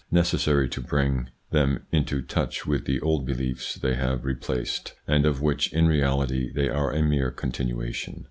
86 THE PSYCHOLOGY OF PEOPLES : them into touch with the old beliefs they have replaced, and of which in reality they are a mere continuation.